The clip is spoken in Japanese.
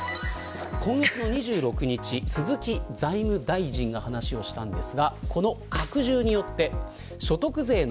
今月２６日、鈴木財務大臣が話をしました。